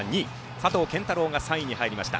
佐藤拳太郎が３位に入りました。